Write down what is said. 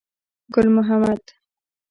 ګل محمد.